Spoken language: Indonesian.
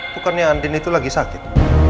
bukannya andin itu lagi sakit